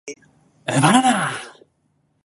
東京から沖縄までバナナの皮でスリップします。